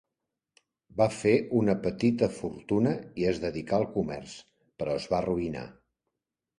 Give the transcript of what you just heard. Va fer una petita fortuna i es dedicà al comerç, però es va arruïnar.